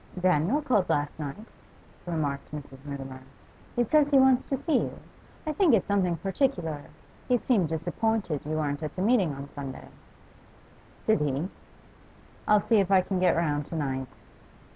'Daniel called last night,' remarked Mrs. Mutimer. 'He says he wants to see you. I think it's something particular; he seemed disappointed you weren't at the meeting on Sunday.' 'Did he? I'll see if I can get round to night.